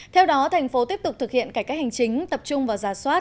theo đó thành phố tiếp tục thực hiện cải cách hành chính tập trung vào giả soát